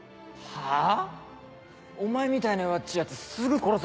はぁ？